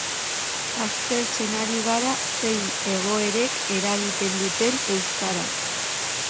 Aztertzen ari gara zein egoerek eragiten duten euskara.